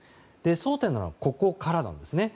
争点なのはここからなんですね。